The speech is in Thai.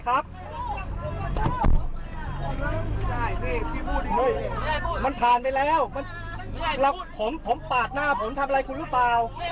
มันผ่านไปแล้วผมปาดหน้าผมทำอะไรคุณหรือเปล่า